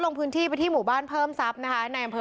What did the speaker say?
โรงพื้นที่กะทิบร้านเผิมทรัพย์